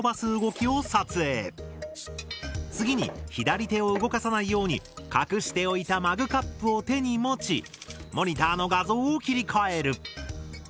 次に左手を動かさないように隠しておいたマグカップを手に持ちモニターの画像を切り替える。